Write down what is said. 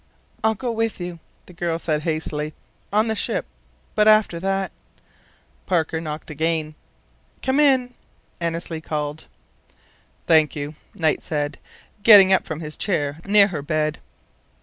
"I'll go with you," the girl said, hastily. "On the ship. But after that " Parker knocked again. "Come in!" called Annesley. "Thank you," Knight said, getting up from his chair near her bed.